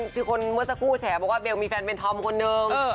ทุกคนเมื่อกี๊แสดงแสดงแหละบอกว่าเบลมีแฟนเป็นทอมคนนึง